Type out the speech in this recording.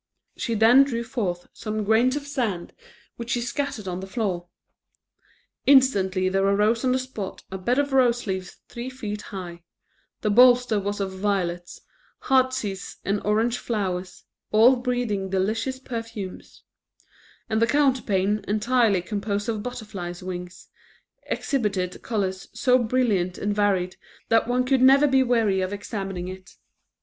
She then drew forth some grains of sand, which she scattered on the floor. Instantly there arose on the spot a bed of rose leaves three feet high; the bolster was of violets, heartsease and orange flowers, all breathing delicious perfumes; and the counterpane, entirely composed of butterflies' wings, exhibited colours so brilliant and varied that one could never be weary of examining it.